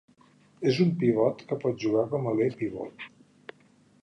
És un pivot que pot jugar com a aler pivot.